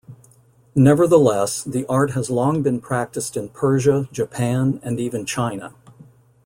Nevertheless, the art has long been practised in Persia, Japan and even China.